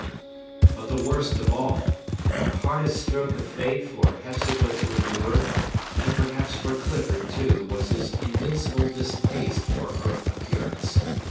But the worst of all—the hardest stroke of fate for Hepzibah to endure, and perhaps for Clifford, too was his invincible distaste for her appearance.